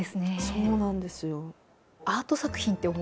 そうなんです。